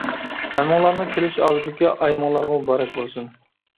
ھەممىڭلارنىڭ كېلىش ئالدىدىكى ئايىمىڭلارغا مۇبارەك بولسۇن!